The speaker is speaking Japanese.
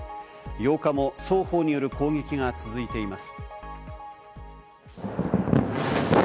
８日も双方による攻撃が続いています。